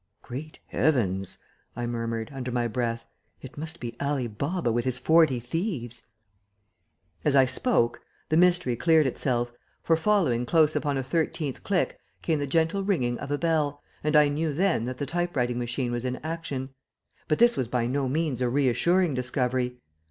"Great Heavens!" I murmured, under my breath. "It must be Ali Baba with his forty thieves." As I spoke, the mystery cleared itself, for following close upon a thirteenth click came the gentle ringing of a bell, and I knew then that the type writing machine was in action; but this was by no means a reassuring discovery.